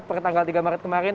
pertanggal tiga maret kemarin